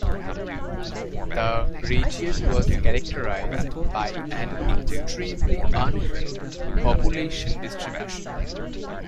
The region was characterised by an extremely uneven population distribution.